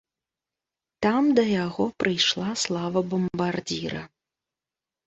Там да яго прыйшла слава бамбардзіра.